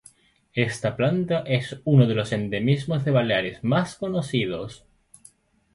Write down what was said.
Esta planta es uno de los endemismos de Baleares más conocidos.